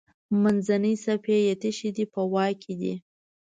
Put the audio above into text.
منځنۍ صفحې یې تشې دي په واک کې دي.